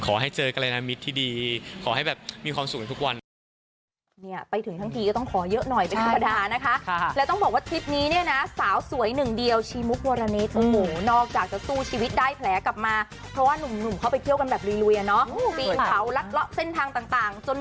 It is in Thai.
ขอให้เจอกรรณมิตรที่ดีขอให้แบบมีความสุขทุกวัน